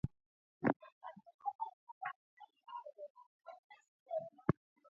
uko zambia eneo gani hapo ee hapa mi niko